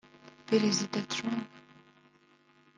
Perezida Trump